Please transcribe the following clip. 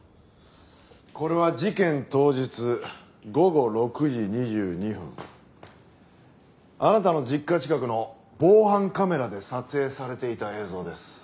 これは事件当日午後６時２２分あなたの実家近くの防犯カメラで撮影されていた映像です。